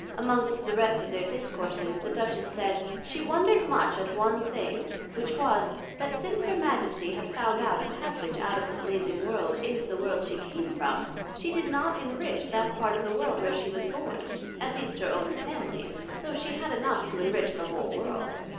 Amongst the rest of their discourses, the Duchess said, she wondred much at one thing, which was, That since her Majesty had found out a passage out of the Blazing World, into the World she came from, she did not enrich that part of the World where she was born, at least her own Family, though she had enough to enrich the whole World.